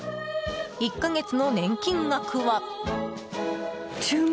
１か月の年金額は。